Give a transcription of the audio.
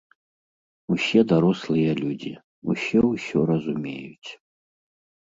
Усе дарослыя людзі, усе ўсё разумеюць.